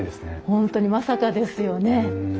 本当にまさかですよね。